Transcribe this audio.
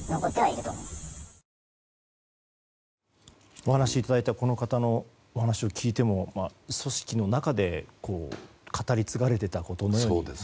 お話をいただいたこの方のお話を聞いても組織の中で、語り継がれていたことのように。